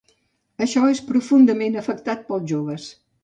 Això és profundament afectat pels joves.